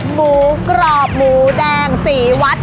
หมูกรอบหมูแดงสีวัด